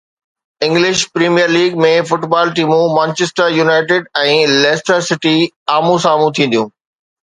English Premier League ۾ football ٽيمون Manchester United ۽ Leicester City آمهون سامهون ٿينديون